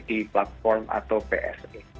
di platform atau pste